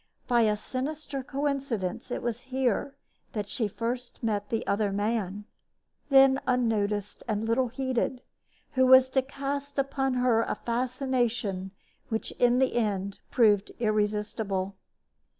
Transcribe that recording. By a sinister coincidence it was here that she first met the other man, then unnoticed and little heeded, who was to cast upon her a fascination which in the end proved irresistible.